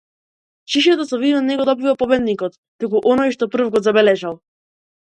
Шишето со вино не го добива победникот, туку оној што прв го забележал.